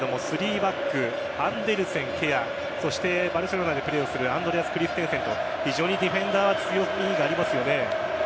３バックアンデルセン、ケアそしてバルセロナでプレーをするアンドレアス・クリステンセンとディフェンダー強みがありますよね。